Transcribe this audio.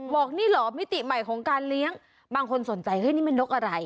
บอกนี่เหรอมิติใหม่ของการเลี้ยงบางคนสนใจเฮ้ยนี่มันนกอะไร